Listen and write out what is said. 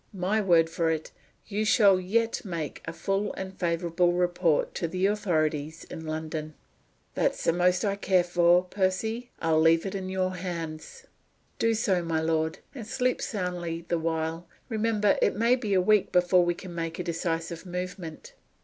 My word for it, you shall yet make a full and favorable report to the authorities in London." "That's the most I care for, Percy. I will leave it in your hands." "Do so, my lord; and sleep soundly the while. Remember, it may be a week before we can make a decisive movement."